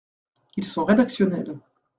Ils sont rédactionnels.